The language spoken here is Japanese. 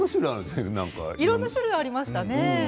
いろんな種類が、ありましたね。